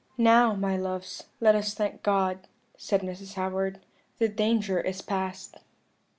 "'Now, my loves, let us thank God,' said Mrs. Howard, 'the danger is past.'